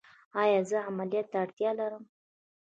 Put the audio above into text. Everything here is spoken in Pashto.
ایا زه عملیات ته اړتیا لرم؟